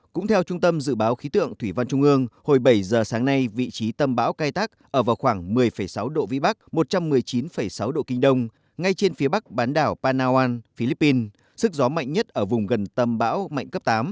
cũng theo trung tâm dự báo khí tượng thủy văn trung ương hồi bảy giờ sáng nay vị trí tâm bão cay tắc ở vào khoảng một mươi sáu độ vĩ bắc một trăm một mươi chín sáu độ kinh đông ngay trên phía bắc bán đảo panawan philippines sức gió mạnh nhất ở vùng gần tâm bão mạnh cấp tám